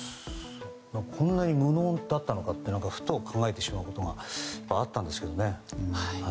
こんなに無能だったのかとふと考えてしまうことがあったんですが。